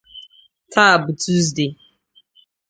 Taa bụ Tọzdee